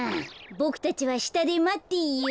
ボクたちはしたでまっていよう。